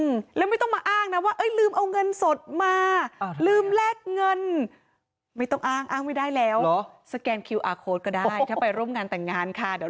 เงินรับไว้ขอเสียงปรบมือดังค่ะพี่ชัยเฉพาะด้วยนะคะ